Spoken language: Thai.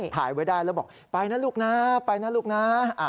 ถ่ายไว้ได้แล้วบอกไปนะลูกนะไปนะลูกนะ